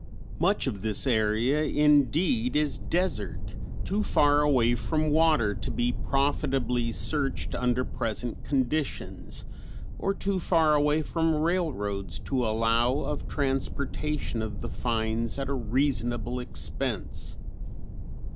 Much of this area indeed is desert, too far away from water to be profitably searched under present conditions, or too far away from railroads to allow of transportation of the finds at a reasonable expense.